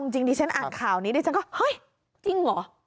จริงดิฉันอ่านข่าวนี้ดิฉันก็เฮ้ยจริงเหรอ